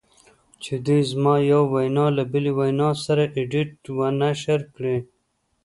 چې دوی زما یوه وینا له بلې وینا سره ایډیټ و نشر کړې